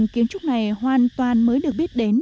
kiến trúc này hoàn toàn mới được biết đến